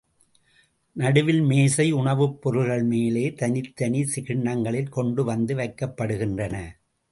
நடுவில் மேஜை உணவுப் பொருள்கள் மேலே தனித்தனிக் கிண்ணங்களில் கொண்டு வந்து வைக்கப்படுகின்றன.